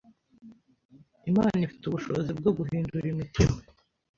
Imana ifite ubushobozi bwo guhindura imitima